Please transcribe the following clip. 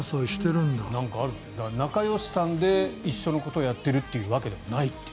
仲よしさんで一緒のことをやっているわけではないという。